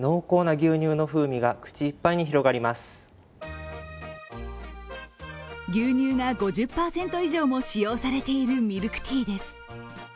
牛乳が５０％以上も使用されているミルクティーです。